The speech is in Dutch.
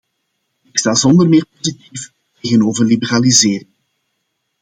Ik sta zonder meer positief tegenover liberalisering.